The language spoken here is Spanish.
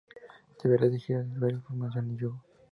Llegaría a dirigir los diarios "Información" y "Yugo".